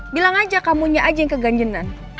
bilang aja kamu nya aja yang keganjenan